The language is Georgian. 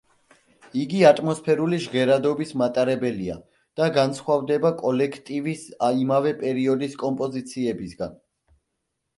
იგი ატმოსფერული ჟღერადობის მატარებელია და განსხვავდება კოლექტივის იმავე პერიოდის კომპოზიციებისგან.